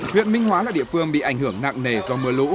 huyện minh hóa là địa phương bị ảnh hưởng nặng nề do mưa lũ